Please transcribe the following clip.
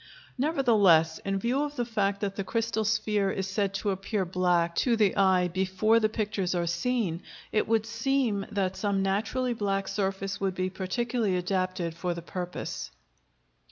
Nevertheless, in view of the fact that the crystal sphere is said to appear black to the eye before the pictures are seen, it would seem that some naturally black surface would be particularly adapted for the purpose.